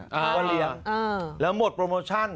มาเลี้ยงแล้วหมดโปรโมชั่น